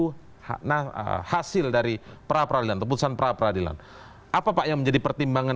hak nah hasil dari pra pradilan keputusan pra pradilan apa pak yang menjadi pertimbangan